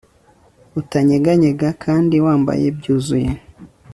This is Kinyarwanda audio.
Utanyeganyega kandi wambaye byuzuye